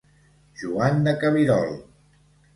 Joan de Cabirol.